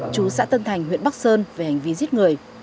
chú xã tân thành huyện bắc sơn về hành vi giết người